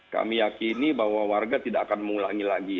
kami yakini bahwa warga tidak akan mengulangi lagi